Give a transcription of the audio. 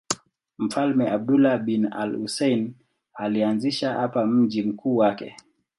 Mfalme Abdullah bin al-Husayn alianzisha hapa mji mkuu wake.